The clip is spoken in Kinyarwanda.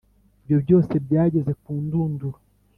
Ibyo byose byageze kundunduro